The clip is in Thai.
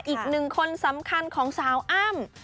อีกหนึ่งคนสำคัญของสาวอ้ำ